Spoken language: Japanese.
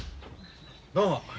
どうも。